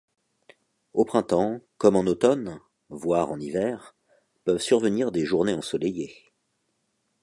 Au printemps, comme en automne, voire en hiver, peuvent survenir des journées ensoleillées.